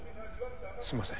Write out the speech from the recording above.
すみません。